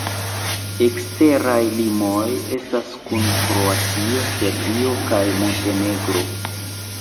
Eksteraj limoj estas kun Kroatio, Serbio kaj Montenegro.